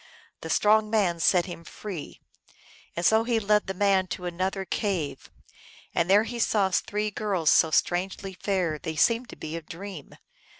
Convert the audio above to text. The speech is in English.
The strong man set him free. And so he led the man to another cave, and there he saw three girls so strangely fair they seemed to be a dream.